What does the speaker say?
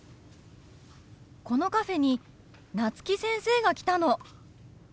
このカフェに夏木先生が来たの！